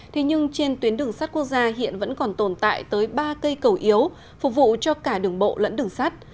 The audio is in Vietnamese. thế nhưng trên tuyến đường sắt quốc gia hiện vẫn còn tồn tại tới ba cây cầu yếu phục vụ cho cả đường bộ lẫn đường sắt